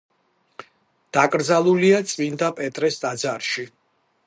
დაკრძალულია წმინდა პეტრეს ტაძარში.